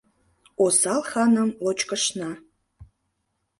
Осал ханым лочкышна.